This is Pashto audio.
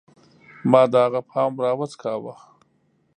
ما د هغه پام راوڅکاوه